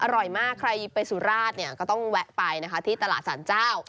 อร่อยมากใครไปสุราชก็ต้องแวะไปที่ตลาดสรรเจ้า